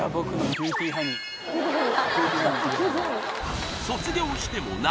キューティーハニー海荷